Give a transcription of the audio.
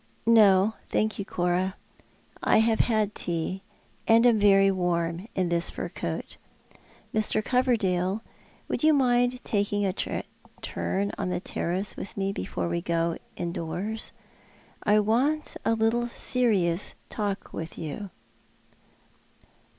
" No, thank you, Cora. I have had tea, and am very warm in this fur coat. Mr. Coverdale, would you mind taking a turn on the terrace with me before we go indoors ? I want a little serious talk with you."